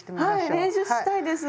はい練習したいです。